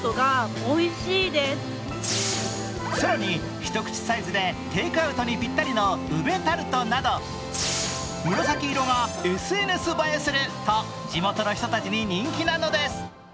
更に、一口サイズでテークアウトにぴったりのウベタルトなど紫色がＳＮＳ映えすると地元の人たちに人気なのです。